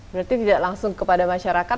berarti tidak langsung kepada masyarakat